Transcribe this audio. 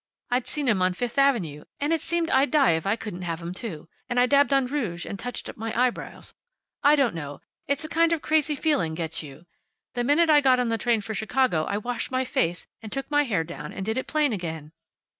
I'd seen 'em on Fifth avenue, and it seemed I'd die if I couldn't have 'em, too. And I dabbed on rouge, and touched up my eyebrows. I don't know. It's a kind of a crazy feeling gets you. The minute I got on the train for Chicago I washed my face and took my hair down and did it plain again."